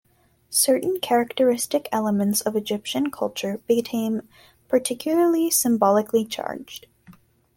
Certain characteristic elements of Egyptian culture became particularly symbolically charged.